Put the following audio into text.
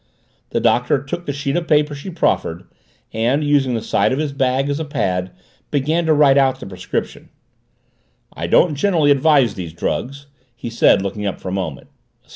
The Doctor took the sheet of paper she proffered and, using the side of his bag as a pad, began to write out the prescription. "I don't generally advise these drugs," he said, looking up for a moment.